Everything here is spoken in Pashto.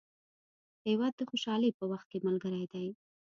هېواد د خوشحالۍ په وخت ملګری دی.